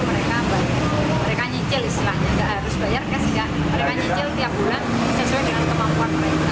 mereka nyicil istilahnya tidak harus bayar mereka nyicil tiap bulan sesuai dengan kemampuan mereka